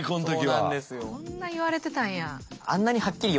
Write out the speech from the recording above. こんな言われてたんや。